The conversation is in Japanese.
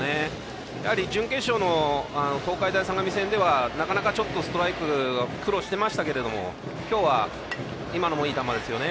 準決勝の東海大相模戦ではなかなかストライク苦労してましたけど今日は今のもいい球ですよね。